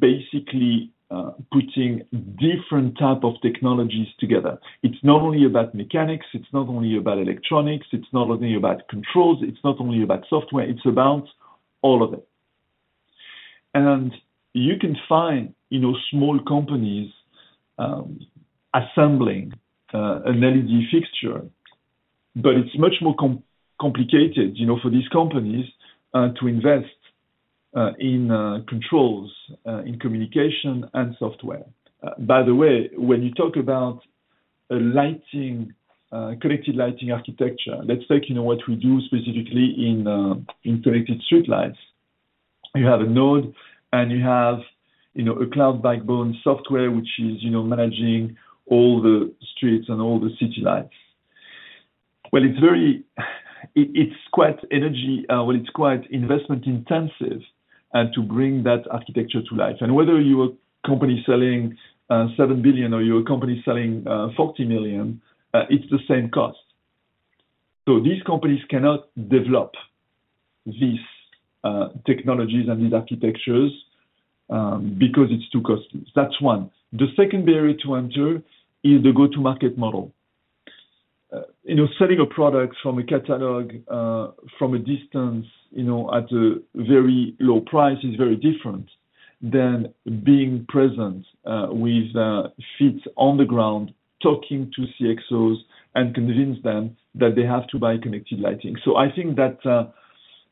basically putting different type of technologies together. It's not only about mechanics, it's not only about electronics, it's not only about controls, it's not only about software, it's about all of it. You can find, you know, small companies assembling an LED fixture, but it's much more complicated, you know, for these companies to invest in controls, in communication and software. By the way, when you talk about connected lighting architecture, let's take, you know, what we do specifically in connected streetlights. You have a node, and you have, you know, a cloud backbone software, which is, you know, managing all the streets and all the city lights. It's quite investment intensive, and to bring that architecture to life. Whether you're a company selling seven billion or you're a company selling forty million, it's the same cost. These companies cannot develop these technologies and these architectures because it's too costly. That's one. The second barrier to enter is the go-to market model. You know, selling a product from a catalog, from a distance, you know, at a very low price is very different than being present, with feet on the ground, talking to CXOs and convince them that they have to buy connected lighting. So I think that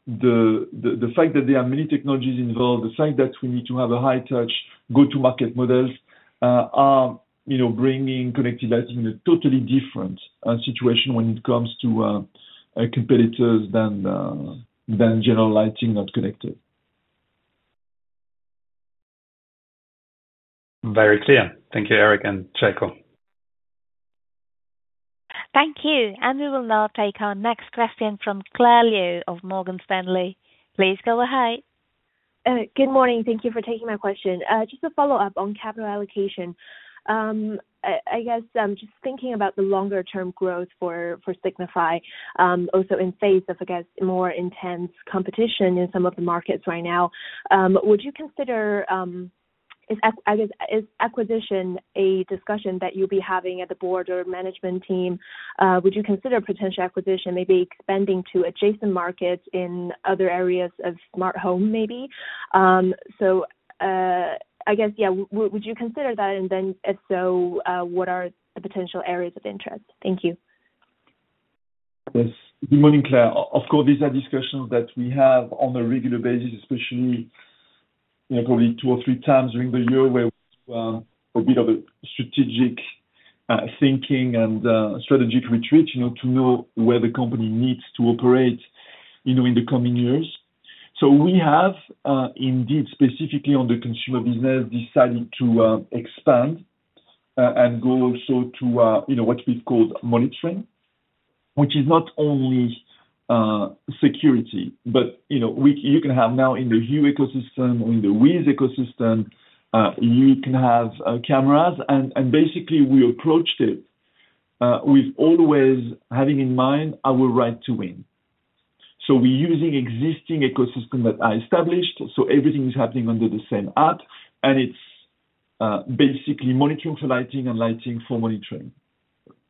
the fact that there are many technologies involved, the fact that we need to have a high touch go-to market models, are, you know, bringing connected lighting a totally different situation when it comes to competitors than general lighting not connected. Very clear. Thank you, Eric and Željko. Thank you. And we will now take our next question from Claire Liu of Morgan Stanley. Please go ahead. Good morning. Thank you for taking my question. Just a follow-up on capital allocation. I guess, just thinking about the longer term growth for Signify, also in face of, I guess, more intense competition in some of the markets right now, would you consider, I guess, is acquisition a discussion that you'll be having at the board or management team? Would you consider potential acquisition maybe expanding to adjacent markets in other areas of smart home, maybe? So, I guess, yeah, would you consider that? And then if so, what are the potential areas of interest? Thank you. Yes. Good morning, Claire. Of course, these are discussions that we have on a regular basis, especially, you know, probably two or three times during the year, where a bit of a strategic thinking and strategic retreat, you know, to know where the company needs to operate, you know, in the coming years. So we have indeed, specifically on the consumer business, decided to expand and go also to, you know, what we've called monitoring, which is not only security, but, you know, you can have now in the Hue ecosystem, in the WiZ ecosystem, you can have cameras. And basically we approached it with always having in mind our right to win. So we're using existing ecosystem that I established, so everything is happening under the same app, and it's basically monitoring for lighting and lighting for monitoring.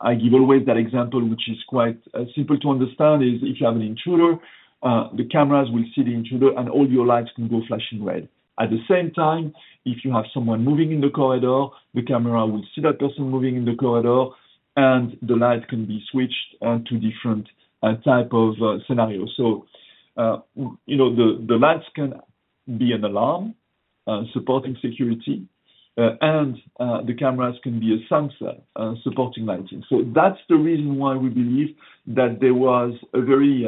I give always that example, which is quite simple to understand, is if you have an intruder, the cameras will see the intruder, and all your lights can go flashing red. At the same time, if you have someone moving in the corridor, the camera will see that person moving in the corridor, and the light can be switched to different type of scenario. So you know, the lights can be an alarm supporting security, and the cameras can be a sensor supporting lighting. So that's the reason why we believe that there was a very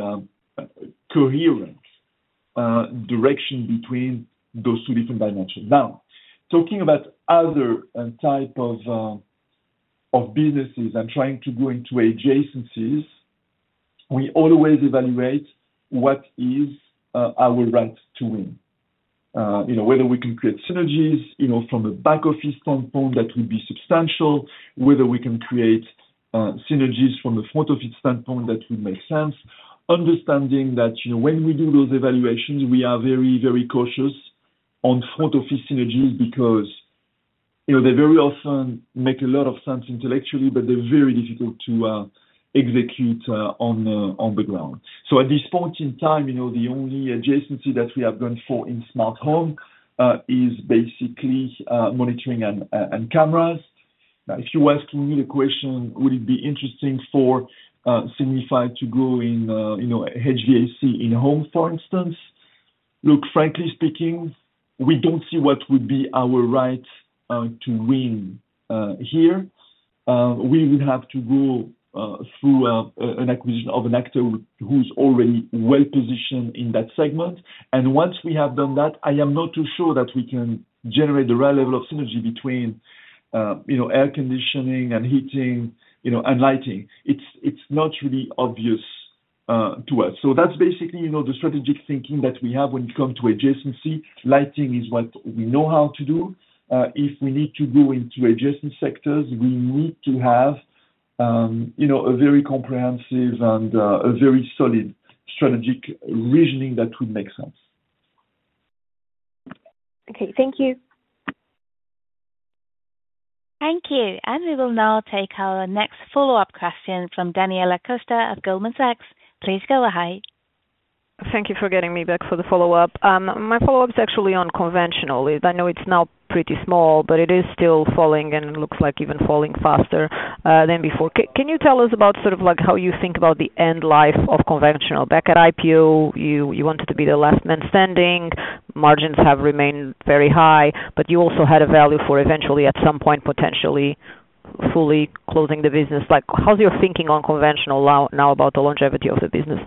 coherent direction between those two different dimensions. Now, talking about other, type of, of businesses and trying to go into adjacencies, we always evaluate what is, our right to win. You know, whether we can create synergies, you know, from a back office standpoint, that would be substantial. Whether we can create, synergies from a front office standpoint, that would make sense. Understanding that, you know, when we do those evaluations, we are very, very cautious on front office synergies because, you know, they very often make a lot of sense intellectually, but they're very difficult to, execute, on, on the ground. So at this point in time, you know, the only adjacency that we have gone for in smart home, is basically, monitoring and, and cameras.... Now, if you're asking me the question, would it be interesting for Signify to grow in, you know, HVAC in home, for instance? Look, frankly speaking, we don't see what would be our right to win here. We would have to go through an acquisition of an actor who's already well-positioned in that segment. And once we have done that, I am not too sure that we can generate the right level of synergy between, you know, air conditioning and heating, you know, and lighting. It's not really obvious to us. So that's basically, you know, the strategic thinking that we have when it come to adjacency. Lighting is what we know how to do. If we need to go into adjacent sectors, we need to have, you know, a very comprehensive and a very solid strategic reasoning that would make sense. Okay, thank you. Thank you, and we will now take our next follow-up question from Daniela Costa of Goldman Sachs. Please go ahead. Thank you for getting me back for the follow-up. My follow-up is actually on conventional. I know it's now pretty small, but it is still falling, and it looks like even falling faster than before. Can you tell us about sort of like how you think about the end life of conventional? Back at IPO, you wanted to be the last man standing. Margins have remained very high, but you also had a value for eventually, at some point, potentially fully closing the business. Like, how's your thinking on conventional now about the longevity of the business?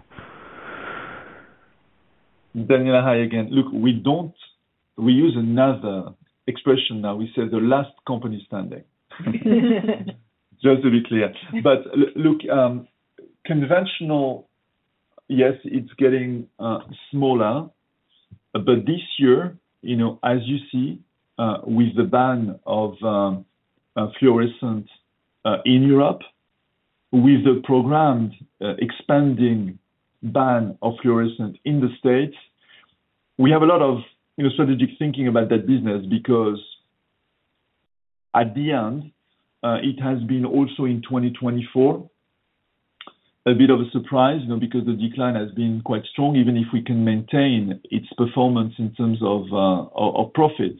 Daniela, hi again. Look, we don't -- we use another expression now. We say the last company standing. Just to be clear. But look, conventional, yes, it's getting smaller, but this year, you know, as you see, with the ban of fluorescent in Europe, with the programmed expanding ban of fluorescent in the States, we have a lot of, you know, strategic thinking about that business. Because at the end, it has been also in twenty twenty-four, a bit of a surprise, you know, because the decline has been quite strong. Even if we can maintain its performance in terms of of profit,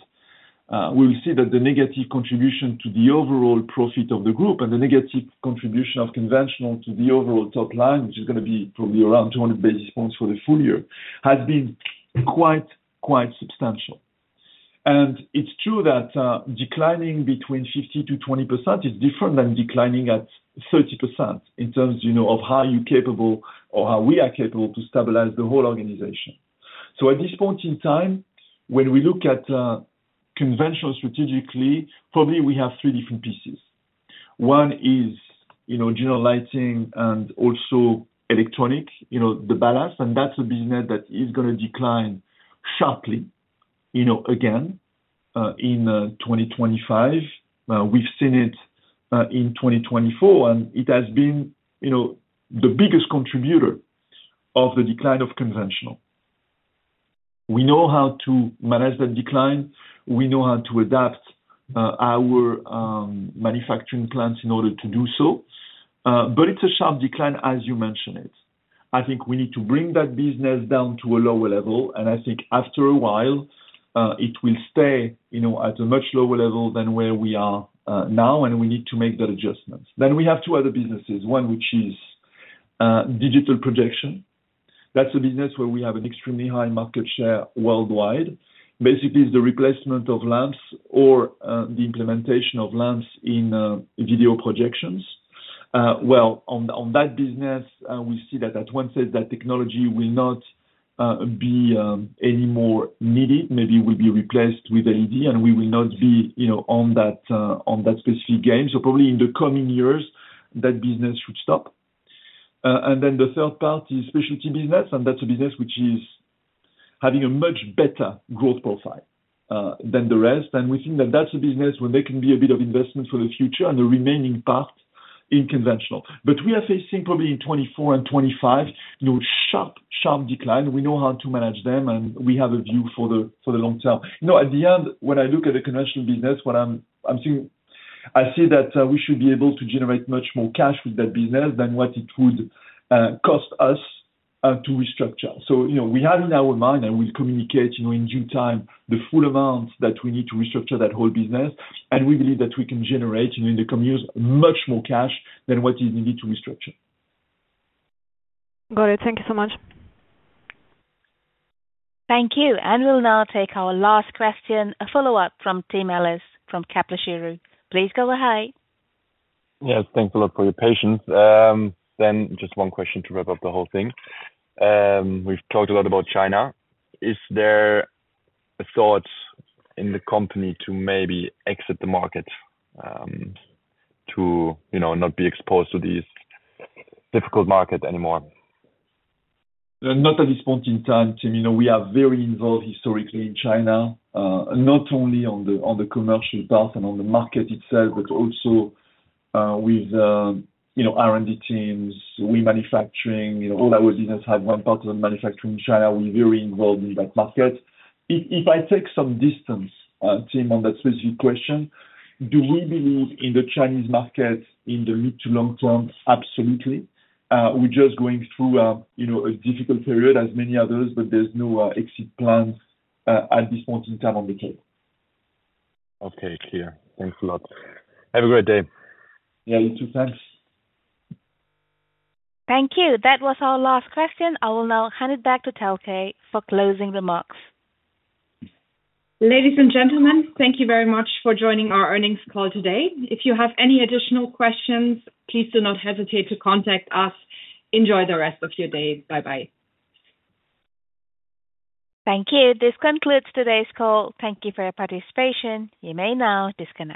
we'll see that the negative contribution to the overall profit of the group and the negative contribution of conventional to the overall top line, which is gonna be probably around 200 basis points for the full year, has been quite substantial. It's true that declining between 50% to 20% is different than declining at 30%, in terms, you know, of how you're capable or how we are capable to stabilize the whole organization. At this point in time, when we look at conventional strategically, probably we have three different pieces. One is, you know, general lighting and also electronic, you know, the balance, and that's a business that is gonna decline sharply, you know, again, in 2025. We've seen it in 2024, and it has been, you know, the biggest contributor of the decline of conventional. We know how to manage that decline. We know how to adapt our manufacturing plants in order to do so. But it's a sharp decline, as you mentioned it. I think we need to bring that business down to a lower level, and I think after a while it will stay, you know, at a much lower level than where we are now, and we need to make that adjustment. Then we have two other businesses. One, which is digital projection. That's a business where we have an extremely high market share worldwide. Basically, it's the replacement of lamps or the implementation of lamps in video projections. Well, on that business, we see that at one stage, that technology will not be anymore needed. Maybe it will be replaced with LED, and we will not be, you know, on that specific game. So probably in the coming years, that business should stop. And then the third party is specialty business, and that's a business which is having a much better growth profile than the rest. And we think that that's a business where there can be a bit of investment for the future and the remaining part in conventional. But we are facing probably in 2024 and 2025, you know, sharp decline. We know how to manage them, and we have a view for the long term. You know, at the end, when I look at the conventional business, what I'm seeing, I see that we should be able to generate much more cash with that business than what it would cost us to restructure, so you know, we have in our mind, and we'll communicate, you know, in due time, the full amount that we need to restructure that whole business, and we believe that we can generate, you know, in the coming years, much more cash than what is needed to restructure. Got it. Thank you so much. Thank you. And we'll now take our last question, a follow-up from Tim Ehlers from Kepler Cheuvreux. Please go ahead. Yes, thanks a lot for your patience. Then just one question to wrap up the whole thing. We've talked a lot about China. Is there a thought in the company to maybe exit the market, to, you know, not be exposed to this difficult market anymore? Not at this point in time, Tim. You know, we are very involved historically in China, not only on the commercial part and on the market itself, but also with you know, R&D teams. We manufacturing, you know, all our business have one part of the manufacturing in China. We're very involved in that market. If I take some distance, Tim, on that specific question, do we believe in the Chinese market in the mid to long term? Absolutely. We're just going through you know, a difficult period as many others, but there's no exit plans at this point in time on the table. Okay, clear. Thanks a lot. Have a great day. Yeah, you too. Thanks. Thank you. That was our last question. I will now hand it back to Silke for closing remarks. Ladies and gentlemen, thank you very much for joining our earnings call today. If you have any additional questions, please do not hesitate to contact us. Enjoy the rest of your day. Bye-bye. Thank you. This concludes today's call. Thank you for your participation. You may now disconnect.